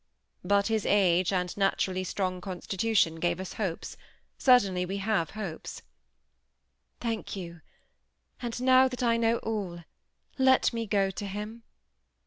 ^ Bat his age and naturallj strong oon8tituti<Mi gave us hopes; certainly we hare hopes. ^ Thank jou ; and now that I know all, let me go to him."